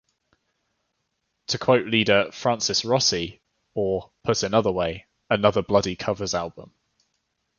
To quote leader Francis Rossi, 'Or, put another way, another bloody covers album!